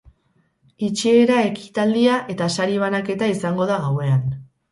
Itxiera ekitaldia eta sari banaketa izango da gauean.